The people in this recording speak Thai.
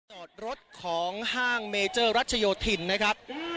จอดรถของห้างเมเจอร์รัชโยธินนะครับ